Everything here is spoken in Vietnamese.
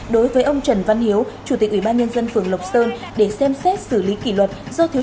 đối với ông trần văn hiếu chủ tịch ubnd tp lộc sơn để xem xét xử lý kỷ luật